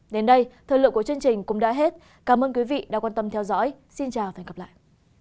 đến đây thời lượng của chương trình cũng đã hết cảm ơn quý vị đã quan tâm theo dõi xin chào và hẹn gặp lại